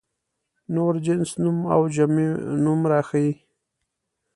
نور جنس نوم او جمع نوم راښيي.